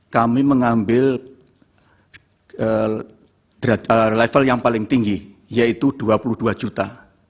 kami mengambil level yang paling tinggi yaitu dua puluh dua juta